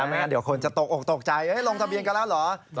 ไม่งั้นเดี๋ยวคนจะตกออกตกใจลงทะเบียนกันแล้วเหรอ